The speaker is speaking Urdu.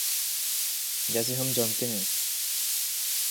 جیسے ہم جانتے ہیں۔